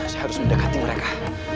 saya harus mendekati mereka